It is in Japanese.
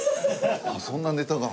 そんなネタが。